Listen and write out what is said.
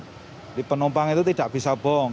jadi penumpang itu tidak bisa bong